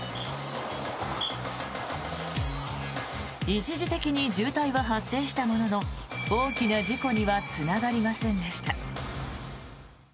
一時的に渋滞は発生したものの大きな事故にはつながりませんでした。